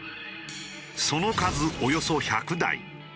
その数およそ１００台。